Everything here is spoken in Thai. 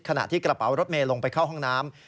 ขณะที่กระเป๋ารถเมย์ลงไปเข้าห้องน้ำ